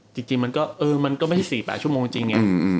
จริงจริงมันก็เออมันก็ไม่ใช่สี่แปดชั่วโมงจริงเนี้ยอืมอืม